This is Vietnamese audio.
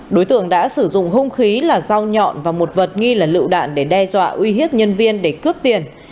đối tượng đã sử dụng hung khí là dao nhọn và một vật nghi là lựu đạn để đe dọa uy hiếp nhân viên để cướp tiền